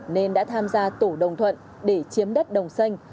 nên đã tham gia tổ đồng thuận để chiếm đất đồng xanh